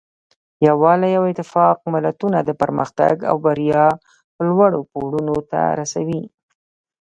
یووالی او اتفاق ملتونه د پرمختګ او بریا لوړو پوړونو ته رسوي.